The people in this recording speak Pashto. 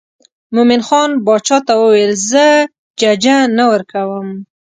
مومن خان باچا ته وویل زه ججه نه ورکوم.